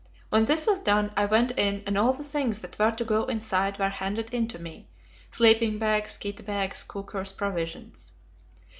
When this was done, I went in, and all the things that were to go inside were handed in to me sleeping bags, kit bags, cookers, provisions.